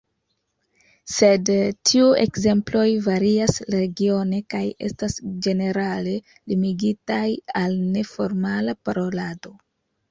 Sed tiuj ekzemploj varias regione kaj estas ĝenerale limigitaj al neformala parolado.